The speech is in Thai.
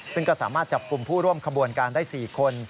ซึ่งก็สามารถจับกลุ่มผู้ร่วมขบวนการได้๔คน